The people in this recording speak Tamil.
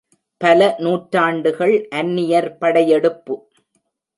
பல நூற்றாண்டுகள் அன்னியர் படையெடுப்பு.